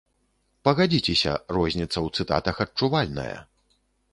Пагадзіцеся, розніца ў цытатах адчувальная.